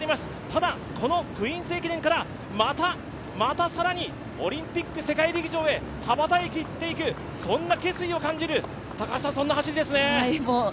ただ、このクイーンズ駅伝からまた更にオリンピック、世界陸上へ羽ばたいていく、そんな決意を感じる、そんな走りですね。